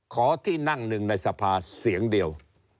ที่นั่งหนึ่งในสภาเสียงเดียว